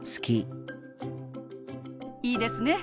いいですね。